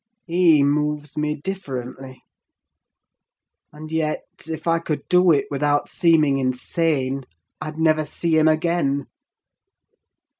He moves me differently: and yet if I could do it without seeming insane, I'd never see him again!